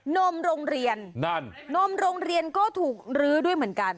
นมโรงเรียนนั่นนมโรงเรียนก็ถูกลื้อด้วยเหมือนกัน